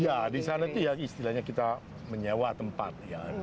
iya di sana itu istilahnya kita menyewa tempat